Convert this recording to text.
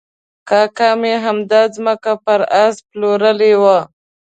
کاکا مې همدا ځمکه پر آس پلورلې وه.